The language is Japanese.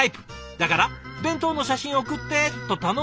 だから「弁当の写真送って！」と頼んだそうです。